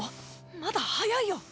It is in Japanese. まだ早いよ。